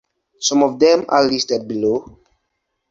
Some of them are listed below.